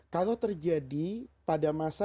kalau terjadi pada masa